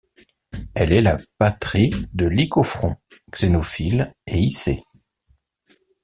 Elle est la patrie de Lycophron, Xénophile et Isée.